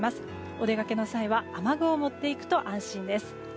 お出かけの際は雨具を持っていくと安心です。